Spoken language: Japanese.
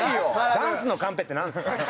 ダンスのカンペってなんですか？